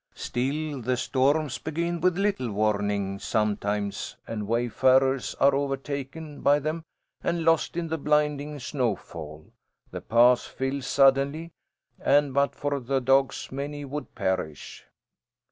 Still, the storms begin with little warning sometimes, and wayfarers are overtaken by them and lost in the blinding snowfall. The paths fill suddenly, and but for the dogs many would perish."